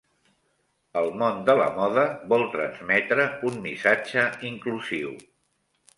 El món de la moda vol transmetre un missatge inclusiu.